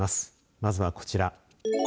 まずはこちら。